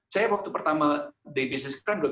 saya waktu pertama di bisnis crown group